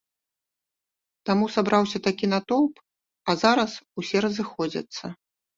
Таму сабраўся такі натоўп, а зараз усе разыходзяцца.